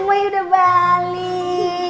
gembaya udah balik